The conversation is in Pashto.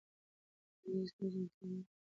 د ټولنیزو ستونزو انکار مه کوه.